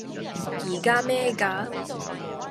依家咩價?